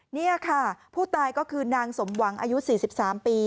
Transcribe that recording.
นี่ค่ะผู้ตายก็คือนางสมหวังอายุ๔๓ปี